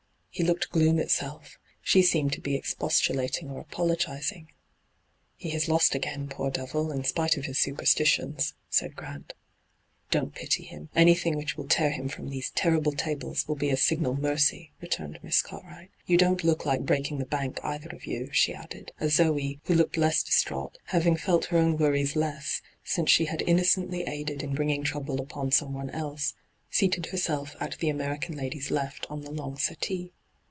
He looked gloom itself; she seemed to be expostulating or apol(^zing. ' He has lost again, poor devil, in spite of his superstitions,* said Grant, ' Don't pity him ; anything which will tear him from l^ese terrible tables will be a signal mercy !' returned Miss Cartwright. ' You don't look like breaking the bank, either of you,* she added, as Zoe, who looked less distraught, having felt her own worries less since she had innocently aided in bringing trouble upon someone else, seated herself at the American lady's left on the long settee.